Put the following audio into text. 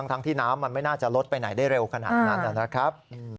ทั้งที่น้ำมันไม่น่าจะลดไปไหนได้เร็วขนาดนั้นนะครับ